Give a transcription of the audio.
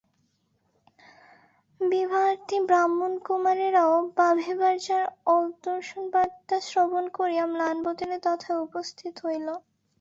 বিবাহার্থী ব্রাহ্মণকুমারেরাও ভাবিভার্যার অদর্শনবার্তা শ্রবণ করিয়া ম্লান বদনে তথায় উপস্থিত হইল।